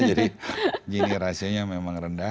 jadi jini rasionya memang rendah